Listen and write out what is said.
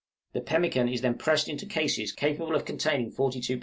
The pemmican is then pressed into cases capable of containing 42 lbs.